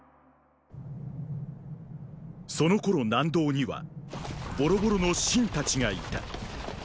そのころ南道にはボロボロの信たちがいた。